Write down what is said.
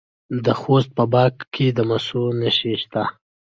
د خوست په باک کې د مسو نښې شته.